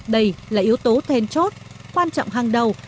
đây là yếu tố then chốt quan trọng hàng đầu